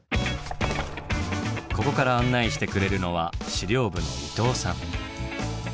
ここから案内してくれるのは資料部の伊藤さん。